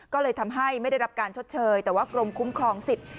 ก็เลยทำให้ไม่ได้รับการชดเชยแต่ว่ากรมคุ้มครองสิทธิ์